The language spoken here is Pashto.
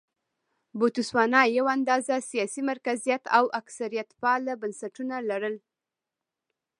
بوتسوانا یو اندازه سیاسي مرکزیت او کثرت پاله بنسټونه لرل.